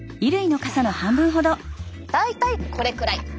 大体これくらい！